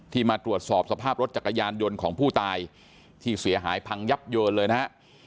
มาตรวจสอบสภาพรถจักรยานยนต์ของผู้ตายที่เสียหายพังยับเยินเลยนะฮะ